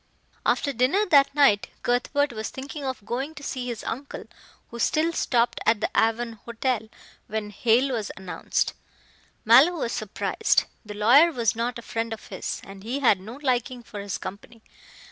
After dinner that night, Cuthbert was thinking of going to see his uncle, who still stopped at the Avon Hotel. When Hale was announced. Mallow was surprised. The lawyer was not a friend of his, and he had no liking for his company.